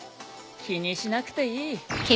気にしなくていい。